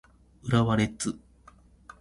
浦和レッズ